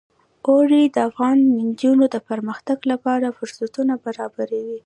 اوړي د افغان نجونو د پرمختګ لپاره فرصتونه برابروي.